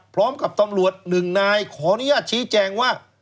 พร้อมกับตำรวจหนึ่งนายขออนุญาตชี้แจงว่า